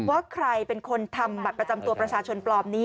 ว่าใครเป็นคนทำบัตรประจำตัวประชาชนปลอมนี้